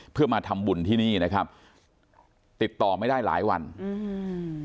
เพื่อมาทำบุญที่นี่นะครับติดต่อไม่ได้หลายวันอืม